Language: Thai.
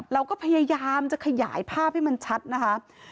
เราก็พยายามจะขยายภาพให้มันชัดนะคะ